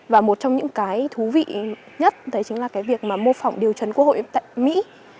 và một trong những cái thú vị nhất đấy chính là cái việc mà mô phỏng điều trấn của hội yên tạng mỹ